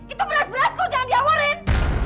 itu beras beras kau jangan diawarin